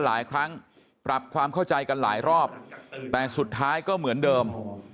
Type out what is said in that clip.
หลายครั้งปรับความเข้าใจกันหลายรอบแต่สุดท้ายก็เหมือนเดิม